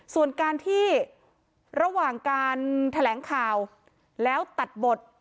ส่วนการที่ระหว่างการแถลงข่าวแล้วตัดบท